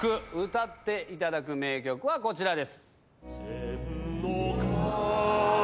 歌っていただく名曲はこちらです。